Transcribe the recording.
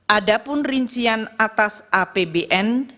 ada pun rincian atas apbn